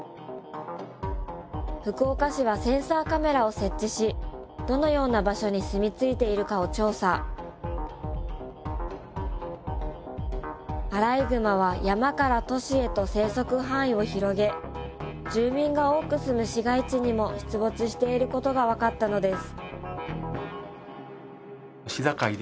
福岡市はセンサーカメラを設置しどのような場所に住み着いているかを調査アライグマは山から都市へと生息範囲を広げ住民が多く住む市街地にも出没していることが分かったのです